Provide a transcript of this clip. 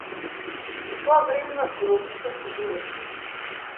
Во тоа време имав гробишта со животни.